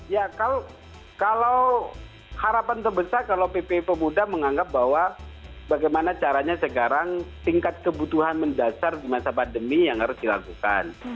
ya kalau harapan terbesar kalau pp pemuda menganggap bahwa bagaimana caranya sekarang tingkat kebutuhan mendasar di masa pandemi yang harus dilakukan